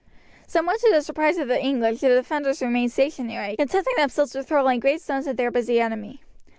Somewhat to the surprise of the English the defenders remained stationary, contenting themselves with hurling great stones at their busy enemy.